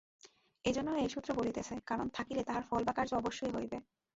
এইজন্যই এই সূত্র বলিতেছে, কারণ থাকিলে তাহার ফল বা কার্য অবশ্যই হইবে।